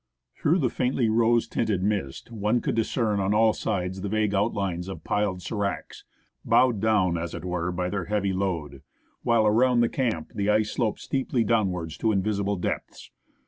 Through the faintly rose tinted mist one could discern on all sides the vague outlines of piled se'racs, bowed down, as it were, by their heavy load ; while around the camp the ice sloped steeply downwards to invisible depths.